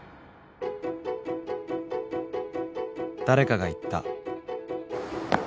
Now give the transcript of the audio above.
［誰かが言った］